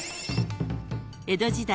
［江戸時代